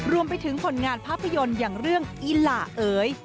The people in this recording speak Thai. รวมไปถึงผลงานภาพยนตร์อย่างเรื่องอิหล่าเอ๋ย